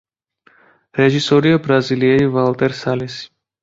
რეჟისორია ბრაზილიელი ვალტერ სალესი.